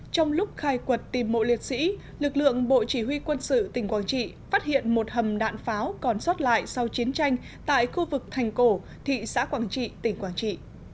trong lúc khai quật tìm mộ liệt sĩ lực lượng bộ chỉ huy quân sự tỉnh quảng trị phát hiện một hầm đạn pháo còn xót lại sau chiến tranh tại khu vực thành cổ thị xã quảng trị tỉnh quảng trị